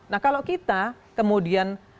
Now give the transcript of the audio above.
nah kalau kita kemudian